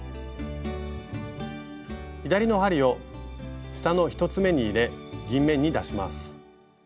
左の針を下の１つめに入れ銀面に出します。